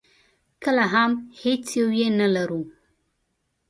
کله هم هېڅ یو یې نه ولرو.